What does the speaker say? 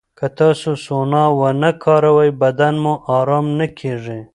که تاسو سونا ونه کاروئ، بدن مو ارام نه کېږي.